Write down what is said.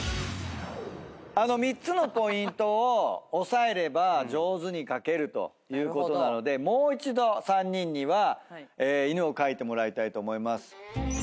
あの３つのポイントを押さえれば上手に描けるということなのでもう一度３人には犬を描いてもらいたいと思います。